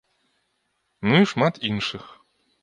Ну і шмат іншых.